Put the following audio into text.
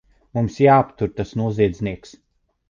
Mums jāaptur tas noziedznieks!